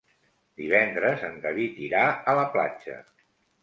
Divendres en David irà a la platja.